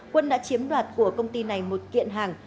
quân đã chiếm đoạt của công ty này một kiện hàng